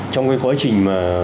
trong cái quá trình mà